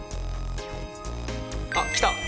あっ来た。